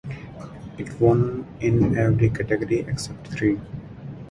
It won in every category except three.